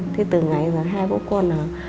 thế từ ngày giờ hai bố con là